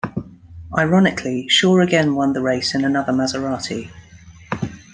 Ironically, Shaw again won the race in another Maserati.